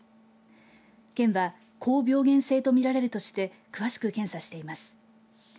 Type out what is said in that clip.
県は高病原性と見られるとして詳しく検査しています。